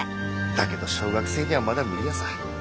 だけど小学生にはまだ無理ヤサ。